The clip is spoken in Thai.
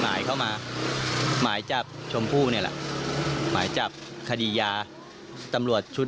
หมายเข้ามาหมายจับชมพู่เนี่ยแหละหมายจับคดียาตำรวจชุด